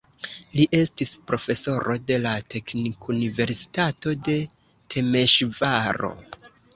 Li estis profesoro de la Teknikuniversitato de Temeŝvaro.